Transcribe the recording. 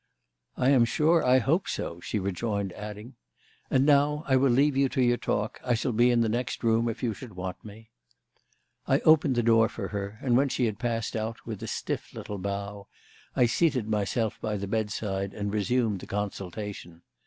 "I am sure I hope so," she rejoined, adding: "And now I will leave you to your talk; I shall be in the next room if you should want me." I opened the door for her, and when she had passed out with a stiff little bow I seated myself by the bedside and resumed the consultation.